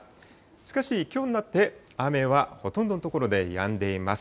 しかし、きょうになって雨はほとんどの所でやんでいます。